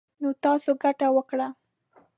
نـو تـاسو ګـټـه وكړه.